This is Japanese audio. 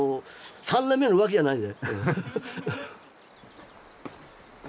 「３年目の浮気」じゃないで。